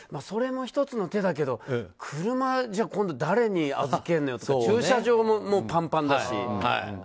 それも１つの手だけど車じゃ今度誰に預けるのよとか駐車場もパンパンだし。